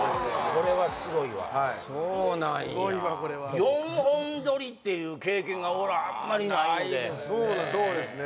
これはすごいわはいそうなんや・すごいわこれは４本撮りっていう経験が俺あんまりないのでないですね